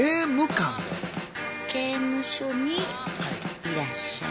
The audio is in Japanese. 刑務所にいらっしゃる。